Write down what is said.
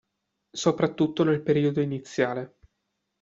Soprattutto nel periodo iniziale.